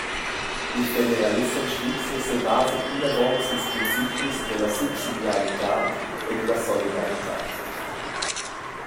Il federalissem svizzer sebasa plinavon sils principis dalla subsidiaritad e dalla solidaritad.